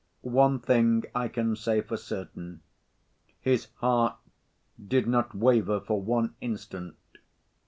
One thing I can say for certain; his heart did not waver for one instant.